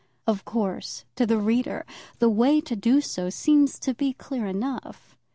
Of course, to the reader, the way to do so seems to be clear enough.